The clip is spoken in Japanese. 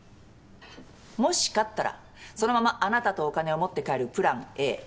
もし勝ったらそのままあなたとお金を持って帰るプランＡ。